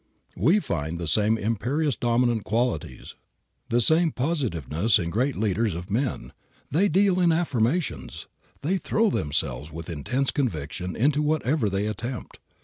We find the same imperious dominant qualities, the same positiveness in great leaders of men. They deal in affirmations. They throw themselves with intense conviction into whatever they attempt.